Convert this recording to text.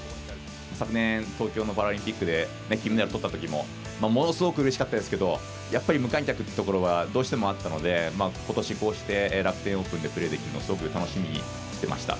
昨年、東京のパラリンピックで金メダル取ったときも、ものすごくうれしかったですけど、やっぱり、無観客というところはどうしてもあったので、ことし、こうして楽天オープンでプレーできるの、すごく楽しみにしてました。